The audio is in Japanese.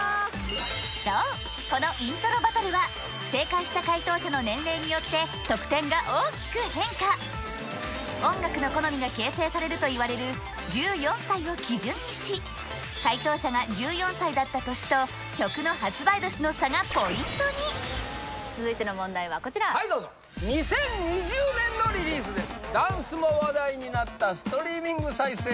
そうこのイントロバトルは正解した解答者の年齢によって得点が大きく変化音楽の好みが形成されるといわれる１４歳を基準にし解答者が１４歳だった年と曲の発売年の差がポイントに続いての問題はこちらはいどうぞでございます年の差！